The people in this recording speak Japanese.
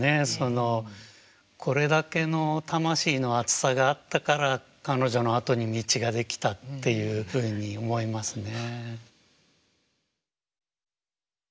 これだけの魂の熱さがあったから彼女のあとに道が出来たっていうふうに思いますね。